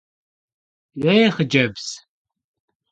Yê, xhıcebz!